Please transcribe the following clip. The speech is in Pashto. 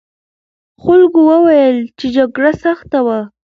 خلکو وویل چې جګړه سخته وه.